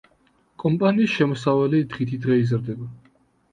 კომპანიის შემოსავალი დღითიდღე იზრდება.